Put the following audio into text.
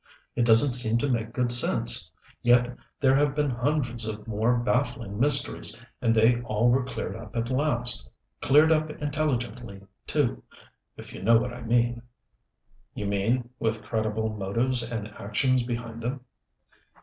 "It doesn't seem to make good sense. Yet there have been hundreds of more baffling mysteries, and they all were cleared up at last. Cleared up intelligently, too, if you know what I mean." "You mean with credible motives and actions behind them."